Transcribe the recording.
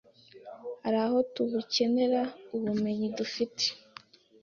hari aho tubukenera ubumenyi dufite